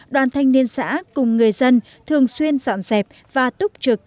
đoàn thanh niên xã cùng người dân thường xuyên dọn dẹp và túc trực